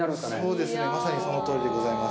そうですね、まさにそのとおりでございます。